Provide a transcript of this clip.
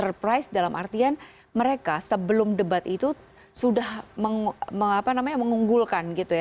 surprise dalam artian mereka sebelum debat itu sudah mengunggulkan